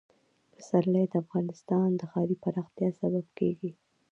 پسرلی د افغانستان د ښاري پراختیا سبب کېږي.